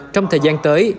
trong thời gian tới